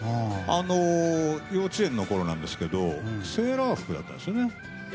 幼稚園のころなんですけどセーラー服だったんですよね。